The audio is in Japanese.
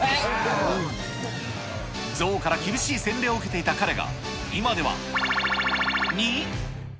象から厳しい洗礼を受けていた彼が、今では×××に。